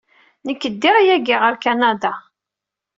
Nekk ddiɣ yagi ɣer Kanada.